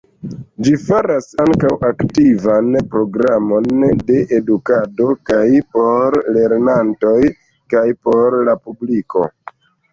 Ĝi faras ankaŭ aktivan programon de edukado kaj por lernantoj kaj por la publiko.